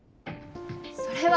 それは。